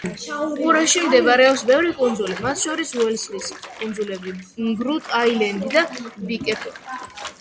ყურეში მდებარეობს ბევრი კუნძული, მათ შორის: უელსლის კუნძულები, გრუტ-აილენდი და ბიკერტონი.